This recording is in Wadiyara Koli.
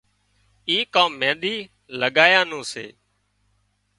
اي ڪام مينۮي لڳايا نُون سي